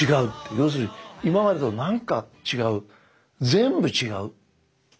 要するに今までと何か違う全部違う。